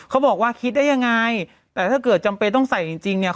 เขาบอกว่าคิดได้ยังไงแต่ถ้าเกิดจำเป็นต้องใส่จริงจริงเนี่ย